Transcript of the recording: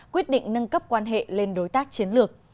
quyết định nâng cấp quan hệ lên đối tác chiến lược